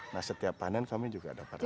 nah setiap panen kami juga dapat aset